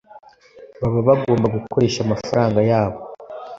baba bagomba gukoresha amafaranga yabo